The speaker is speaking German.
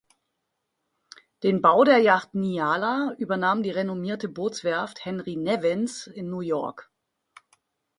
Den Bau der Yacht "Nyala" übernahm die renommierte Bootswerft Henry Nevins in New York.